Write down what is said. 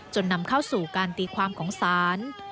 นำเข้าสู่การตีความของศาล